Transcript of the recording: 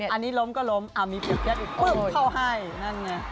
อันนี้ล้มก็ล้มอ่ามีเพียร์ดแพทย์อีกเพิ่มเทาให้นั่นเนี่ย